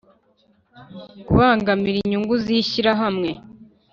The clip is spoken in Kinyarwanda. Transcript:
Kubangamira Inyungu z ishyirahamwe